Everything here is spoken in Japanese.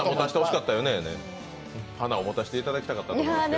花を持たせていただきたかったですよね？